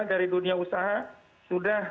dari dunia usaha sudah